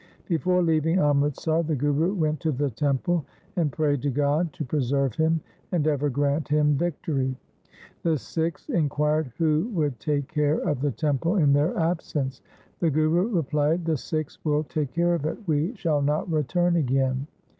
Before leaving Amritsar the Guru went to the temple and prayed to God to preserve him and ever grant him victory. The Sikhs inquired who would take care of the temple in their absence. The Guru replied, ' The Sikhs will take care of it. We shall not return again.'